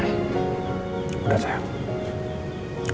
adik kamu lagi dalam masalah besar